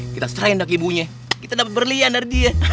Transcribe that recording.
kita serain daki ibunya kita dapet berlian dari dia